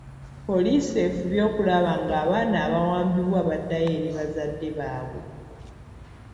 Poliisi efubye okulaba nga abaana abaawambibwa baddayo eri bazadde baabwe.